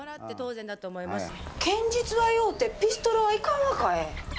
剣術はようて、ピストルはいかんがかえ？